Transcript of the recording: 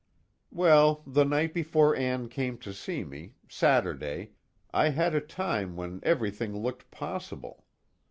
Well, the night before Ann came to see me, Saturday, I had a time when everything looked possible.